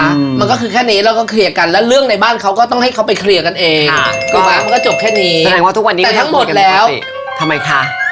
มันก็คือแค่เนทแล้วก็เคลียร์กันแล้วเรื่องในบ้านเขาก็ต้องให้เขาไปเคลียร์กันเอง